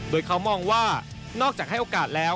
โดยเขามองว่านอกจากให้โอกาสแล้ว